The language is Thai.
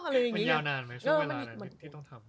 มันยาวนานไหมช่วงเวลานั้นที่ต้องทำ